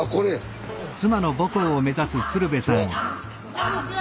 こんにちは。